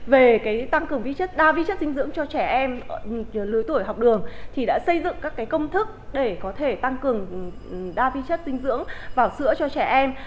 về tăng cường vi chất dinh dưỡng cho trẻ em lưới tuổi học đường thì đã xây dựng các công thức để có thể tăng cường đa vi chất dinh dưỡng vào sữa cho trẻ em